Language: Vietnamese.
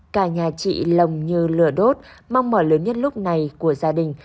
cả nhà chị lồng như lửa đốt mong mỏi lớn nhất lúc này của gia đình